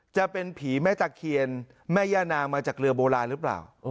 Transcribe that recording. จะเป็นผีแม่ตะเคียนแม่ย่านางมาจากเรือโบราณหรือเปล่า